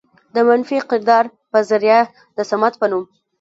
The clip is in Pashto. د منفي کردار په ذريعه د صمد په نوم